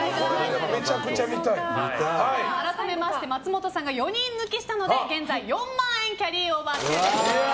改めまして松本さんが４人抜きしたので現在、４万円キャリーオーバー中です。